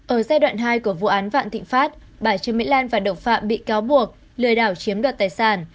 ở giai đoạn hai của vụ án vạn thịnh pháp bà trương mỹ lan và đồng phạm bị cáo buộc lừa đảo chiếm đoạt tài sản